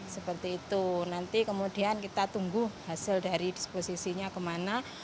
seperti itu nanti kemudian kita tunggu hasil dari disposisinya kemana